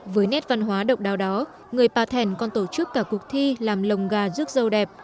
với nét văn hóa độc đáo đó người pà thèn còn tổ chức cả cuộc thi làm lồng gà rước dâu đẹp